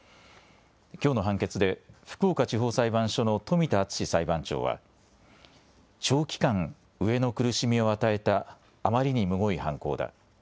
きょうの判決で福岡地方裁判所の冨田敦史裁判長は、長期間、飢えの苦しみを与えたあまりにむごい犯行だ。